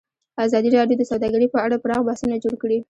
ازادي راډیو د سوداګري په اړه پراخ بحثونه جوړ کړي.